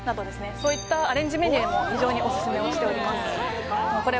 そういったアレンジメニューも非常にオススメをしております